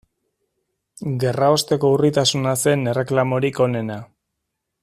Gerraosteko urritasuna zen erreklamorik onena.